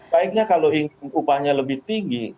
baiknya kalau ingin upahnya lebih tinggi